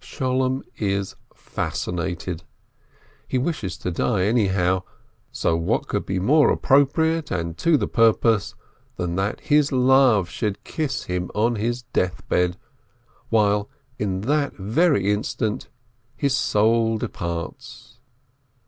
Sholem is fascinated. He wishes to die anyhow, so what could be more appropriate and to the purpose than that his love should kiss him on his death bed, while, in that very instant, his soul departs?